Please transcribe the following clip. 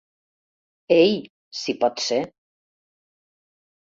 Ei, si pot ser.